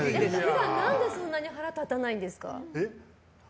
普段、何でそんなに腹立たないんですか？